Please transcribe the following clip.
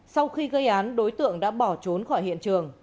sau khi gây án đối tượng đã bỏ trốn khỏi hiện trường